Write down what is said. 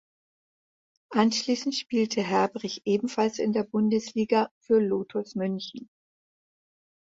Anschließend spielte Herbrich ebenfalls in der Bundesliga für Lotus München.